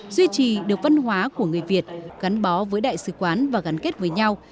duy trì được văn hóa của người việt gắn bó với đại sứ quán và gắn kết với nhau